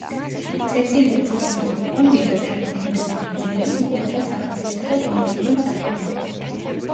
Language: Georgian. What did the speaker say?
ცეცილია წუწუნავა იყო მდიდარი შემოქმედებითი ბუნების მკვეთრად სახასიათო და კომედიური მსახიობი.